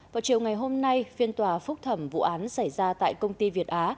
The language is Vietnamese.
vào chiều ngày hôm nay phiên tòa phúc thẩm vụ án xảy ra tại công ty việt á